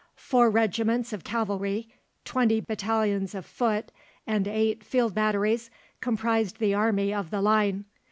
Four regiments of cavalry, twenty battalions of foot, and eight field batteries comprised the Army of the Line.